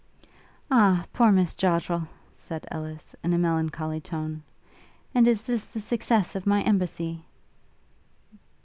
'Ah, poor Miss Joddrel!' said Ellis, in a melancholy tone, 'and is this the success of my embassy?'